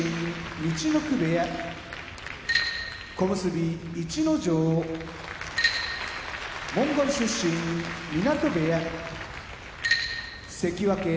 陸奥部屋小結・逸ノ城モンゴル出身湊部屋関脇・御嶽海